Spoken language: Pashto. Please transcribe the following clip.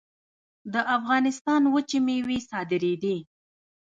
د افغانستان وچې میوې صادرېدې